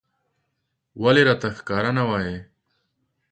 ولې راته ښکاره نه وايې